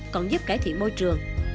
còn giúp cải thiện môi trường